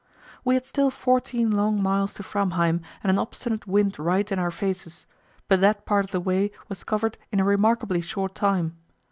We had still fourteen long miles to Framheim and an obstinate wind right in our faces, but that part of the way was covered in a remarkably short time.